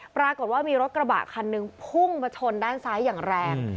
ปรากฏว่ามีรถกระบะคันหนึ่งพุ่งมาชนด้านซ้ายอย่างแรง